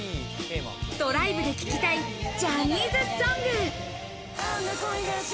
ドライブで聴きたいジャニーズソング。